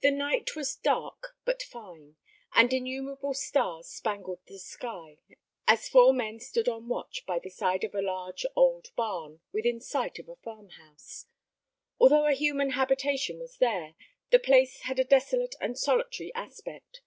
The night was dark but fine; and innumerable stars spangled the sky, as four men stood on watch by the side of a large old barn, within sight of a farm house. Although a human habitation was there, the place had a desolate and solitary aspect.